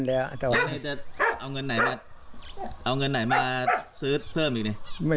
แล้วจะเอาเงินไหนมาซื้อเพิ่มอีก